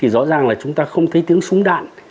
rõ ràng chúng ta không thấy tiếng súng đạn